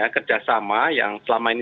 kerjasama yang selama ini